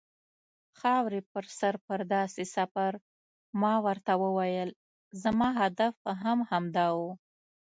خاورې په سر پر داسې سفر، ما ورته وویل: زما هدف هم همدا و.